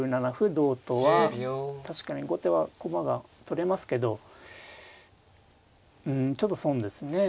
同とは確かに後手は駒が取れますけどうんちょっと損ですね。